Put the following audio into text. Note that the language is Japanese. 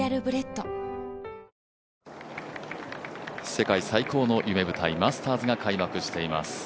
世界最高の夢舞台マスターズが開幕しています